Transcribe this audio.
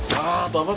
saya ikut dulu lah